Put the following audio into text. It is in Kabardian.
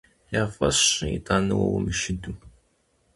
Я фӀэщ щӀы итӀанэ уэ умышыду…